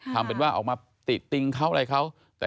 ทำเป็นว่าออกมาติติงเขาอะไรเขา